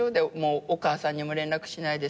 お母さんにも連絡しないでさ。